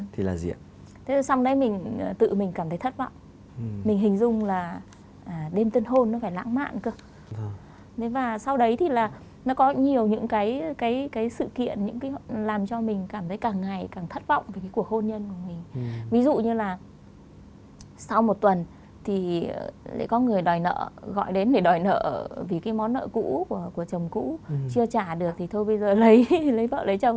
thế xong rồi mình cũng gọi điện cho chồng